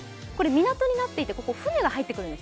港になっていてここ船が入って来るんです。